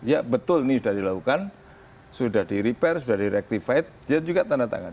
ya betul ini sudah dilakukan sudah di repair sudah directif dia juga tanda tangan